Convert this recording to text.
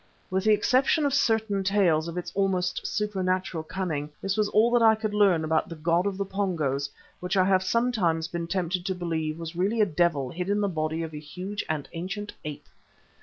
With the exception of certain tales of its almost supernatural cunning, this was all that I could learn about the god of the Pongos which I have sometimes been tempted to believe was really a devil hid in the body of a huge and ancient ape.